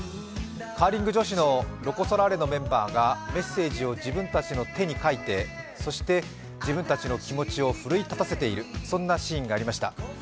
カーリング女子のロコ・ソラーレのメンバーがメッセージを自分たちの手に書いてそして自分たちの気持ちを奮い立たせている、そんなシーンがありました。